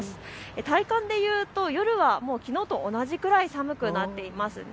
体感でいうと夜はきのうと同じくらい寒くなっています。